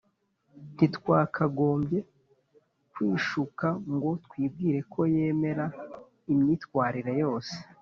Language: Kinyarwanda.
Ntitwakagombye kwishuka ngo twibwire ko yemera imyitwarire yose